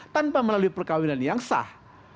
tanpa melalui perkawinan yang sah